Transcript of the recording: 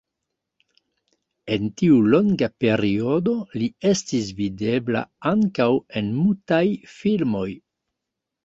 En tiu longa periodo li estis videbla ankaŭ en mutaj filmoj.